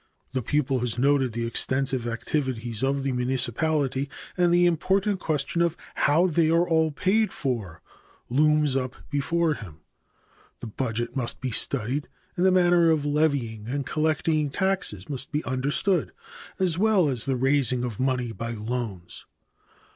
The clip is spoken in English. The pupil has noted the extensive activities of the municipality and the important question of how they are all paid for looms up before him. The budget must be studied, and the manner of levying and collecting taxes must be understood, as well as the raising of money by loans.